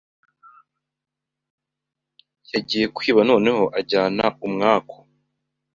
yagiye kwiba noneho ajyana umwaku.